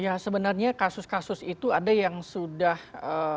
ya sebenarnya kasus kasus itu ada yang sudah